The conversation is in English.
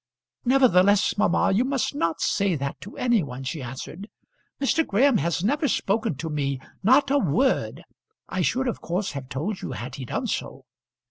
"Nevertheless, mamma, you must not say that to any one," she answered. "Mr. Graham has never spoken to me, not a word. I should of course have told you had he done so."